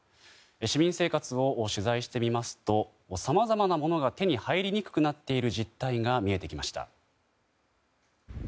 市民生活を取材してみますとさまざまなものが手に入りにくくなっている実態が見えてきました。